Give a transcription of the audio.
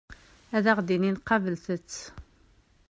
Ad aɣ-d-inin qablet-tt.